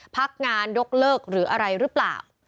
พักงานยกเลิกหรืออะไรหรือเปล่า